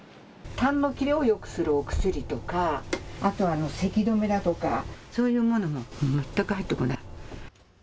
たんの切れをよくするお薬とか、あとはせき止めだとか、そういうものも全く入ってこない。